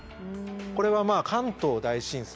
これはまあ関東大震災。